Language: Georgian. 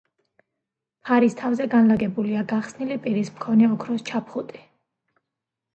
ფარის თავზე განლაგებულია გახსნილი პირის მქონე ოქროს ჩაფხუტი.